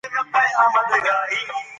د اخلاقو ښودنه د ماشومانو د پلار دنده ده.